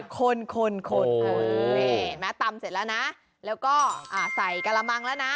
คนคนคนเออมาตำเสร็จแล้วนะแล้วก็อ่าใส่กะละมังแล้วนะ